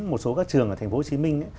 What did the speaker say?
một số các trường ở thành phố hồ chí minh